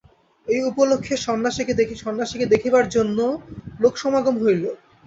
এই উপলক্ষে সন্ন্যাসীকে দেখিবার জন্যও লোকসমাগম হইল।